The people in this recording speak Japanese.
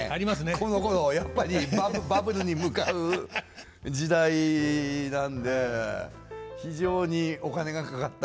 このころやっぱりバブルに向かう時代なんで非常にお金がかかった。